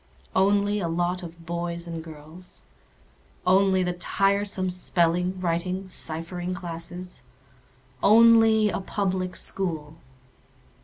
Only a lot of boys and girls? Only the tiresome spelling, writing, ciphering classes? Only a Public School?